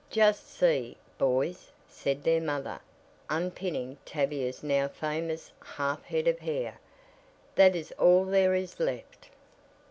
"Just see, boys," said their mother, unpinning Tavia's now famous half head of hair, "that is all there is left."